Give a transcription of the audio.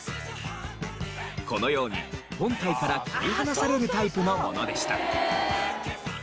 このように本体から切り離されるタイプのものでした。